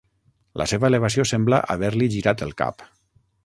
La seva elevació sembla haver-li girat el cap.